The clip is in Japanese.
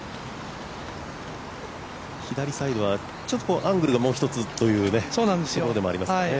左サイドはアングルがもう一つというところでもありますね。